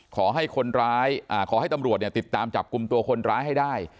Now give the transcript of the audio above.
ขอให้คนร้ายขอให้ตำรวจเนี่ยติดตามจับกลุ่มตัวคนร้ายให้ได้